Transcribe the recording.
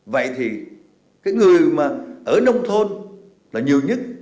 vậy thì cái người mà ở nông thôn là nhiều nhất